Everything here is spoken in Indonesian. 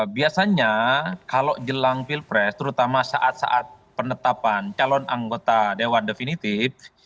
biasanya kalau jelang pilpres terutama saat saat penetapan calon anggota dewan definitif